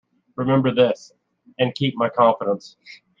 Remember this, and keep my confidence.